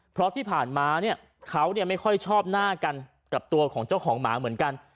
เพราะที่ผ่านมาเนี่ยเขาไม่ค่อยชอบหน้ากันกับตัวของเจ้าของหมาเหมือนกัน